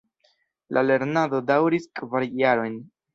La lernado daŭris kvar jarojn.